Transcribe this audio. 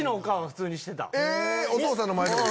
お父さんの前でも？